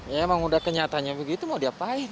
ya emang udah kenyatanya begitu mau diapain